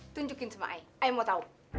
tunjukin sama i i mau tau